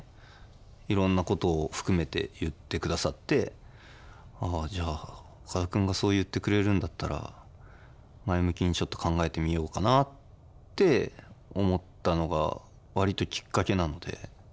いろんなことを含めて言ってくださってああじゃあ岡田君がそう言ってくれるんだったら前向きにちょっと考えてみようかなって思ったのが割ときっかけなので。